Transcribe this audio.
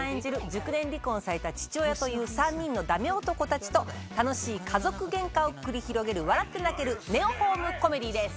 熟年離婚された父親という３人のダメ男たちと楽しい家族ゲンカを繰り広げる笑って泣けるネオ・ホームコメディーです。